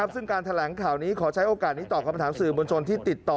ซึ่งการแถลงข่าวนี้ขอใช้โอกาสนี้ตอบคำถามสื่อมวลชนที่ติดต่อ